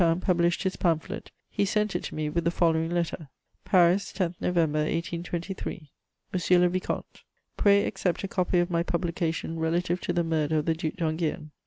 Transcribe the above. Dupin published his pamphlet he sent it to me with the following letter: "PARIS, 10 November 1823. "MONSIEUR LE VICOMTE, "Pray accept a copy of my publication relative to the murder of the Duc d'Enghien.